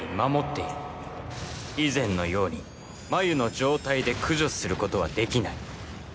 以前のように繭の状態で駆除することはできない。